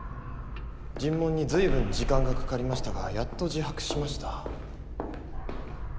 尋問に随分時間がかかりましたがやっと自白しました。